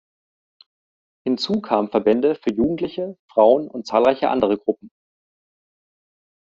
Hinzu kamen Verbände für Jugendliche, Frauen und zahlreiche andere Gruppen.